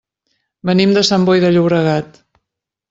Venim de Sant Boi de Llobregat.